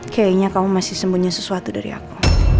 kayaknya kamu masih sembunyi sesuatu dari aku